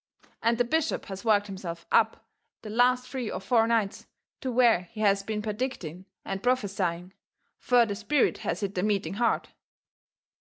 And the bishop has worked himself up the last three or four nights to where he has been perdicting and prophesying, fur the spirit has hit the meeting hard.